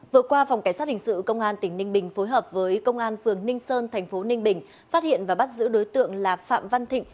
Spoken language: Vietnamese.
vừa qua phòng cảnh sát hình sự công an tỉnh ninh bình phối hợp với công an phường ninh sơn thành phố ninh bình phát hiện và bắt giữ đối tượng là phạm văn thịnh